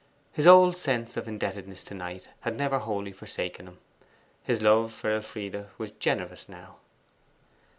His old sense of indebtedness to Knight had never wholly forsaken him; his love for Elfride was generous now.